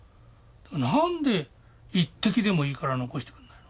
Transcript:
何で１滴でもいいから残してくれないの。